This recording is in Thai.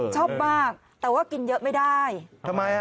ชอบมากแต่ว่ากินเยอะไม่ได้ทำไมอ่ะ